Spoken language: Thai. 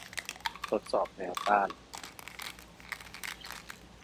ทดสอบแมวต้าน